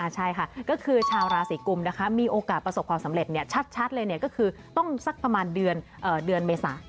ใช่ค่ะก็คือชาวราศีกุมนะคะมีโอกาสประสบความสำเร็จชัดเลยก็คือต้องสักประมาณเดือนเมษา